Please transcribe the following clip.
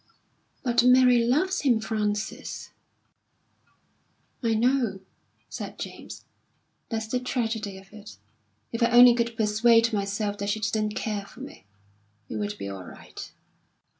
"But Mary loves him, Frances." "I know," said James. "That's the tragedy of it. If I could only persuade myself that she didn't care for me, it would be all right."